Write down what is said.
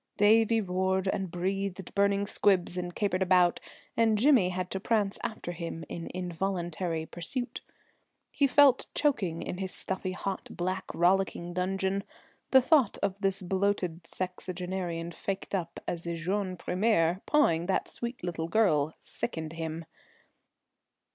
Davie roared and breathed burning squibs and capered about, and Jimmy had to prance after him in involuntary pursuit. He felt choking in his stuffy hot black rollicking dungeon. The thought of this bloated sexagenarian faked up as a jeune premier, pawing that sweet little girl, sickened him.